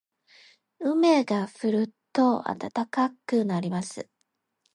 雨が降ると暖かくなります。